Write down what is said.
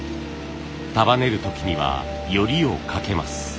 束ねる時には撚りをかけます。